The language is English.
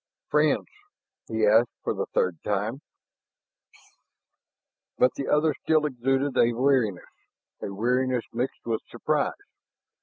"Friends?" he asked for the third time. But the other still exuded a wariness, a wariness mixed with surprise.